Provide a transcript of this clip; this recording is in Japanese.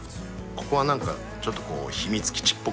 ここはなんかちょっとこう秘密基地っぽくしたくて。